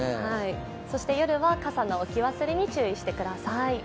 夜は傘の置き忘れに注意してください。